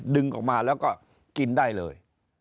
ดึงออกมาแล้วก็กินได้เลย